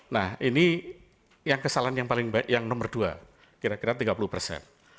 nah ini yang kesalahan yang paling baik yang nomor dua kira kira tiga puluh persen